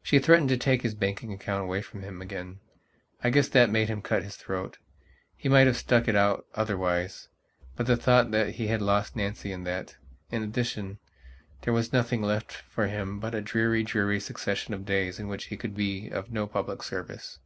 She threatened to take his banking account away from him again. I guess that made him cut his throat. He might have stuck it out otherwisebut the thought that he had lost Nancy and that, in addition, there was nothing left for him but a dreary, dreary succession of days in which he could be of no public service...